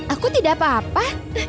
aku tidak apa apa